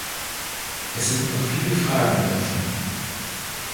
Es sind noch viele Fragen offen.